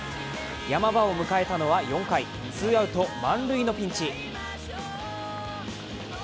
ヤマ場を迎えたのは４回、ツーアウト満塁のピンチ。